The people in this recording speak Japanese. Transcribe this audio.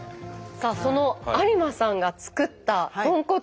さあその有馬さんが作った豚骨。